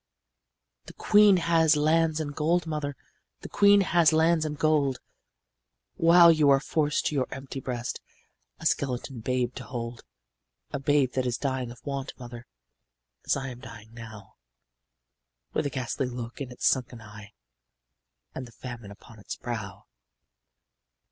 "'The queen has lands and gold, mother, The queen has lands and gold, While you are forced to your empty breast A skeleton babe to hold A babe that is dying of want, mother, As I am dying now, With a ghastly look in its sunken eye And the famine upon its brow.